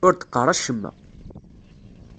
Ur d-qqaṛ acemma.